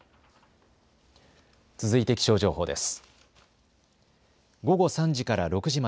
続いて気象情報です。